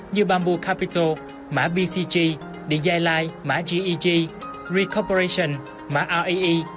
như bamboo capital mã bcg điện giai lai mã geg recoperation mã ree